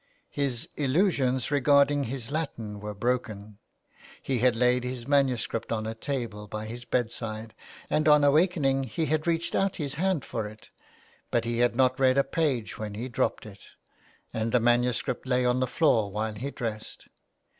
His illusions regarding his Latin were broken. He had laid his manuscript on a table by his bedside, and on awakening he had reached out his hand for it, but he had not read a page when he dropped it ; and the manuscript lay on the floor while he dressed.